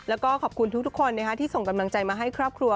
แล้วก็ขอบคุณทุกคนที่ส่งกำลังใจมาให้ครอบครัว